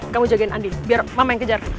kamu jagain andi biar mama yang kejar